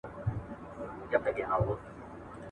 نوی ورځ پيل کړئ.